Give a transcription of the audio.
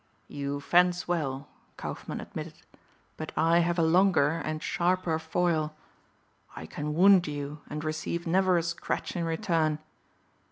"You fence well," Kaufmann admitted, "but I have a longer and sharper foil. I can wound you and receive never a scratch in return.